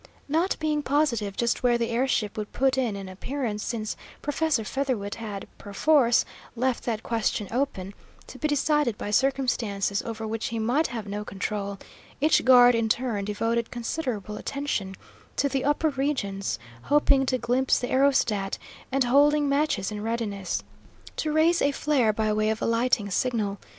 Not being positive just where the air ship would put in an appearance, since Professor Featherwit had, perforce, left that question open, to be decided by circumstances over which he might have no control, each guard in turn devoted considerable attention to the upper regions, hoping to glimpse the aerostat, and holding matches in readiness to raise a flare by way of alighting signal.